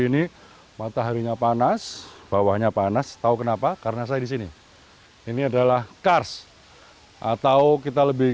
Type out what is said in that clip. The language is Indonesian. ini mataharinya panas bawahnya panas tahu kenapa karena saya di sini ini adalah kars atau kita lebih